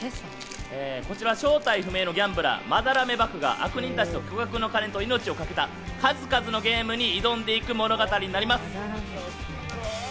こちらは正体不明のギャンブラー・斑目貘が悪人たちと巨額の金と命をかけた数々のゲームに挑んでいく物語になります。